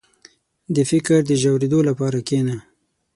• د فکر د ژورېدو لپاره کښېنه.